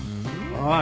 おい！